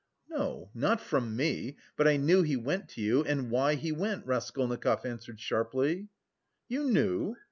"No, not from me, but I knew he went to you and why he went," Raskolnikov answered sharply. "You knew?"